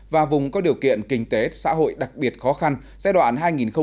và vùng có điều kiện kinh tế xã hội đặc biệt khó khăn giai đoạn hai nghìn hai mươi một hai nghìn hai mươi